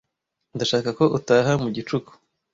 Ndashaka ko utaha mu gicuku.